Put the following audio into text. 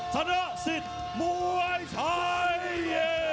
ชนะสิทธิ์มวยไทย